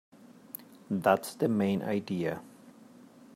That's the main idea.